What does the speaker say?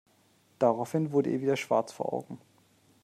Daraufhin wurde ihr wieder schwarz vor Augen.